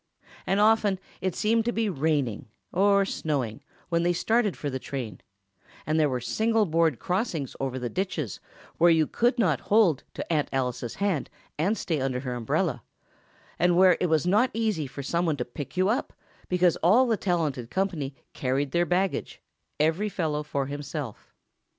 And often it seemed to be raining, or snowing, when they started for the train, and there were single board crossings over the ditches, where you could not hold to Aunt Alice's hand and stay under her umbrella, and where it was not easy for someone to pick you up, because all the talented company carried their baggage, every fellow for himself.